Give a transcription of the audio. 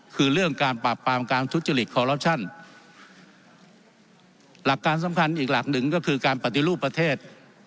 คือเรื่องการปราบปรามการทุจริตคอลลอปชั่นหลักการสำคัญอีกหลักหนึ่งก็คือการปฏิรูปประเทศ